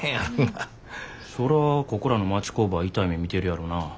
そらここらの町工場は痛い目見てるやろな。